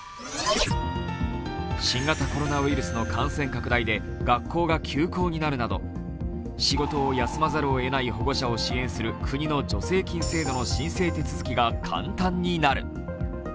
新型コロナウイルスの感染拡大で学校が休校になるなど仕事を休まざるをえない保護者を支援する国の助成金制度の申請手続が簡単になる。